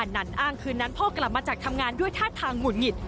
นั่นอ้างคืนนั้นพ่อกลับมาจากทำงานด้วยท่าทางหงุดหงิด